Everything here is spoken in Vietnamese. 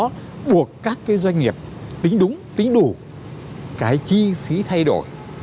đó buộc các cái doanh nghiệp tính đúng tính đủ cái chi phí thay đổi